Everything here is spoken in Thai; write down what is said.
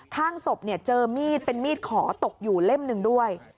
ข้างศพเจอมีดเป็นมีดขอตกอยู่เล่มหนึ่งด้วย